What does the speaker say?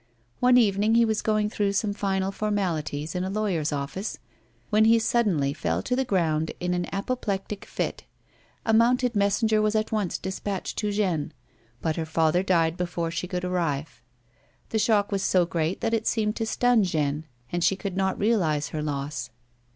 One evening he was going through some final formalities in a lawyer's office, when he suddenly fell to the ground in an apoplectic fit. A mounted messenger was at once despatched to Jeanne but her father died before she could arrive. The shock was so great that it seemed to stun Jeanne and she could not realise her loss.